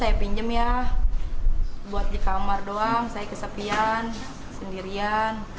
saya pinjem ya buat di kamar doang saya kesepian sendirian